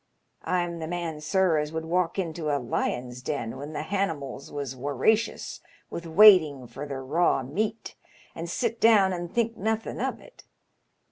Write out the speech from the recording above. * I'm the man, sir, as would walk into a lion's den when the hanimals was waracious with waiting fur their raw meat and sit down and think nothin' of it.